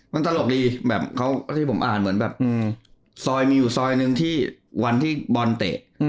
มันโตลกดีคณะที่ผมอ่านซอยไม่อยู่ซอยหนึ่งที่วันที่บอลเตะ